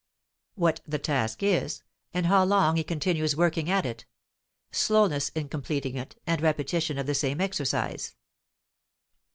What the task is and how long he continues working at it (slowness in completing it and repetition of the same exercise).